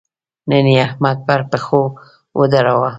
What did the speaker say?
نن يې احمد پر پښو ودراوو.